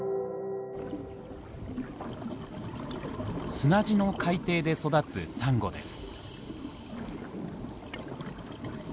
砂地の海底で育つサンゴです。